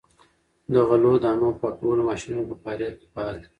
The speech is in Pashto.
د غلو دانو د پاکولو ماشینونه په فاریاب کې فعال دي.